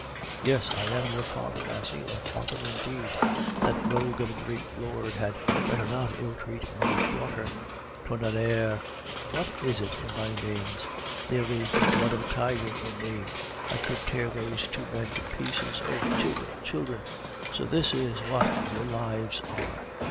"Yes. I am your father, Nasie, a father indeed! That rogue of a great lord had better not ill treat my daughter. Tonnerre! What is it in my veins? There is the blood of a tiger in me; I could tear those two men to pieces! Oh! children, children! so this is what your lives are!